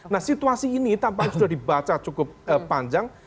nah situasi ini tampaknya sudah dibaca cukup panjang